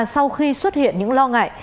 sau khi xuất hiện những lo ngại